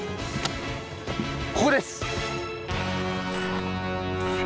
ここです！